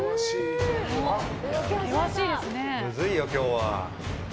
むずいよ、今日は。